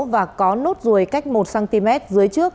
và có nốt ruồi cách một cm dưới trước